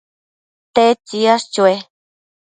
¿tedtsi yash chue